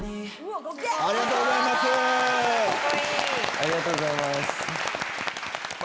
ありがとうございます。